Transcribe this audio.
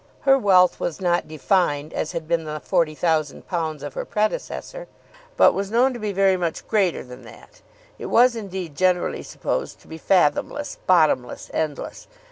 Her wealth was not defined, as had been the £40,000 of her predecessor, but was known to be very much greater than that. It was, indeed, generally supposed to be fathomless, bottomless, endless.